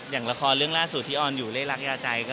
อย่างละครเรื่องล่าสุดที่ออนอยู่เล่นรักยาใจ